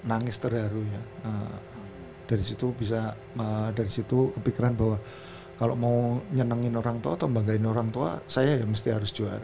agak lumayan lah ya